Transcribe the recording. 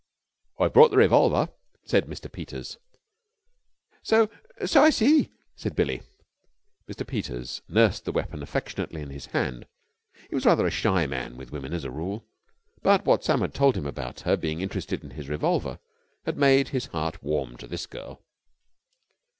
"I've brought the revolver," said Mr. Peters. "So so I see!" said Billie. Mr. Peters nursed the weapon affectionately in his hand. He was rather a shy man with women as a rule, but what Sam had told him about her being interested in his revolver had made his heart warm to this girl.